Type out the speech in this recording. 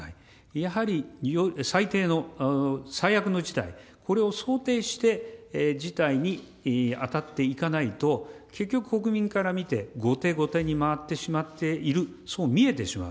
やはり最低の、最悪の事態、これを想定して事態に当たっていかないと、結局、国民から見て後手後手に回ってしまっている、そう見えてしまう。